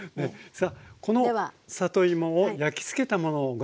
さあこの里芋を焼きつけたものをご覧頂きましょう。